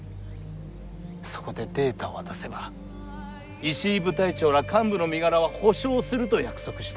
そこでデータを渡せば石井部隊長ら幹部の身柄は保障すると約束した。